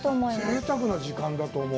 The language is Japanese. ぜいたくな時間だと思う。